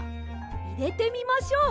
いれてみましょう！